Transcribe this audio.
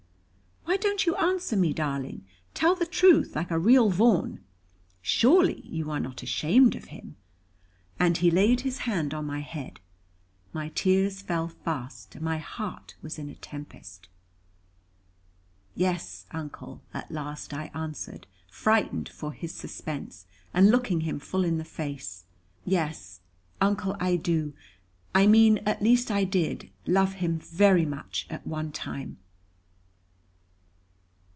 Why don't you answer me, darling? Tell the truth like a real Vaughan. Surely you are not ashamed of him." And he laid his hand on my head. My tears fell fast; and my heart was in a tempest. "Yes, Uncle," at last I answered, frightened for his suspense, and looking him full in the face, "Yes, Uncle, I do I mean at least I did love him very much at one time."